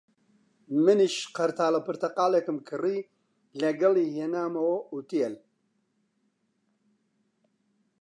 منیش قەرتاڵە پرتەقاڵێکم کڕی، لەگەڵی هێنامەوە ئوتێل